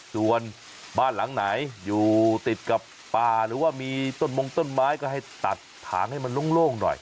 ส่วนบ้านหลังไหนอยู่ติดกับป่าหรือว่ามีต้นมงต้นไม้ก็ให้ตัดถางให้มันโล่งหน่อย